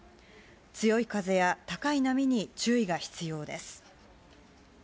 強い風や高い波に注意が必要です。